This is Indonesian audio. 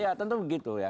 ya tentu begitu ya